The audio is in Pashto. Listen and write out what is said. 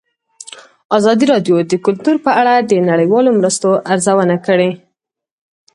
ازادي راډیو د کلتور په اړه د نړیوالو مرستو ارزونه کړې.